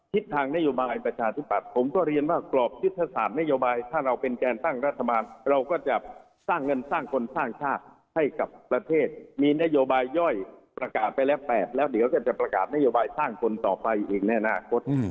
ทางนโยบายประชาธิปัตย์ผมก็เรียนว่ากรอบยุทธศาสตร์นโยบายถ้าเราเป็นแกนตั้งรัฐบาลเราก็จะสร้างเงินสร้างคนสร้างชาติให้กับประเทศมีนโยบายย่อยประกาศไปแล้ว๘แล้วเดี๋ยวก็จะประกาศนโยบายสร้างคนต่อไปเองในอนาคต